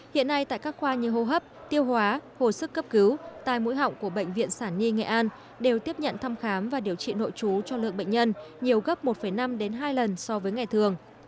hiện nay tại các khoa như hô hấp tiêu hóa hồ sức cấp cứu tai mũi họng của bệnh viện sản nhi nghệ an đều tiếp nhận thăm khám và điều trị nội trú cho lượng bệnh nhân nhiều gấp một năm hai lần so với ngày thường